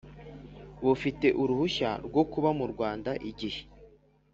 B ufite uruhushya rwo kuba mu rwanda igihe